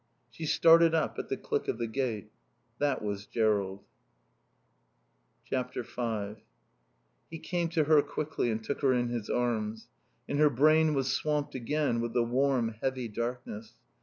She started up at the click of the gate. That was Jerrold. v He came to her quickly and took her in his arms. And her brain was swamped again with the warm, heavy darkness.